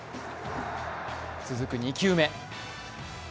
続く２球目。